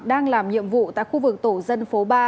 đang làm nhiệm vụ tại khu vực tổ dân phố ba